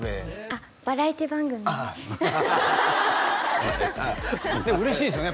あっバラエティー番組でお前なあでも嬉しいですよね